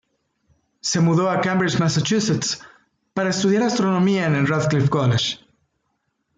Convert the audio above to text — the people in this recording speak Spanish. Se mudó a Cambridge, Massachusetts, para estudiar astronomía en el Radcliffe College.